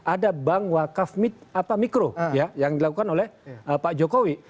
ada bank wakaf mikro yang dilakukan oleh pak jokowi